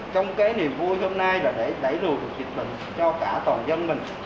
trong cái niềm vui hôm nay là để đẩy lùi được dịch bệnh cho cả toàn dân mình